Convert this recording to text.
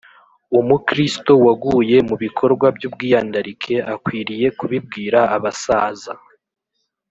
Umukristo waguye mu bikorwa by ubwiyandarike akwiriye kubibwira abasaza